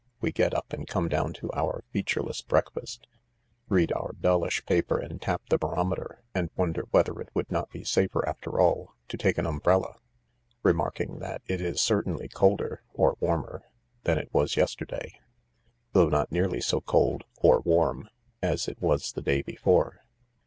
We get up and come down to our featureless breakfast, read our dullish paper, and tap the barometer and wonder whether it would not be safer, after all, to take an um brella, remarking that it is certainly colder (or warmer) than it was yesterday, though not nearly so cold (or warm) as it was the day before.